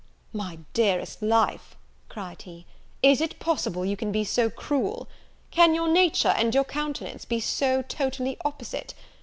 "My dearest life," cried he, "is it possible you can be so cruel? Can your nature and your countenance be so totally opposite?